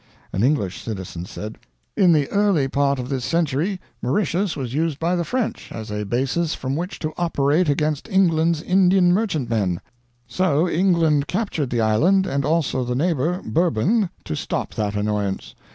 An English citizen said: "In the early part of this century Mauritius was used by the French as a basis from which to operate against England's Indian merchantmen; so England captured the island and also the neighbor, Bourbon, to stop that annoyance.